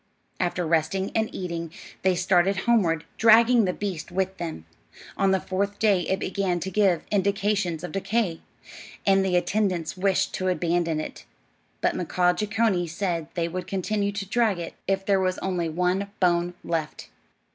After resting and eating, they started homeward, dragging the dead beast with them. On the fourth day it began to give indications of decay, and the attendants wished to abandon it; but Mkaaah Jeechonee said they would continue to drag it if there was only one bone left.